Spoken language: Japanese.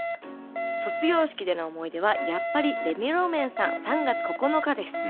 「卒業式での思い出はやっぱりレミオロメンさん『３月９日』です。